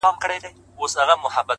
روح مي لا ورک دی’ روح یې روان دی’